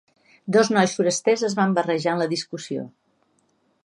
Dos nois forasters es van barrejar en la discussió.